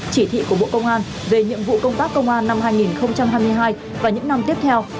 chỉ thị của bộ công an về nhiệm vụ công tác công an năm hai nghìn hai mươi hai và những năm tiếp theo